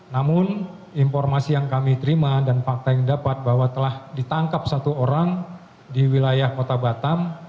namun informasi yang kami terima dan fakta yang dapat bahwa telah ditangkap satu orang di wilayah kota batam